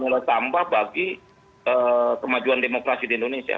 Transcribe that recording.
meletampah bagi kemajuan demokrasi di indonesia